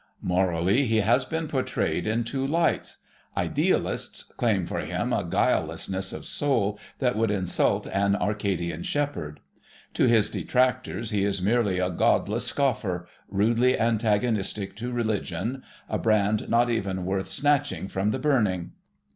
Morally he has been portrayed in two lights. Idealists claim for him a guilelessness of soul that would insult an Arcadian shepherd. To his detractors he is merely a godless scoffer, rudely antagonistic to Religion, a brand not even worth snatching from the burning.